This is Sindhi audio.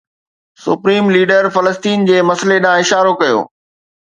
سپريم ليڊر فلسطين جي مسئلي ڏانهن اشارو ڪيو